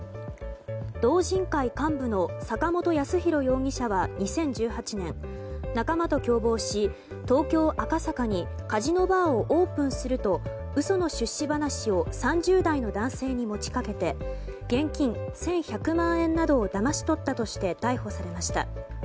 道仁会幹部の坂本康弘容疑者は２０１８年仲間と共謀し東京・赤坂にカジノバーをオープンすると、嘘の出資話を３０代の男性に持ち掛けて現金１１００万円などをだまし取ったとして逮捕されました。